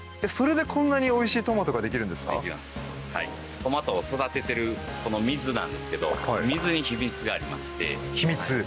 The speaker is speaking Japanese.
トマトを育てているこの水なんですけど水に秘密がありまして。